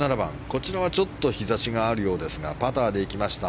こちらはちょっと日差しがあるようですがパターで行きました